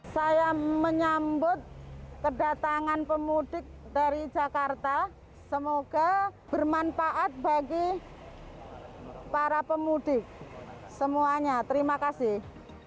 saya menyambut kedatangan pemudik dari jakarta semoga bermanfaat bagi para pemudik semuanya terima kasih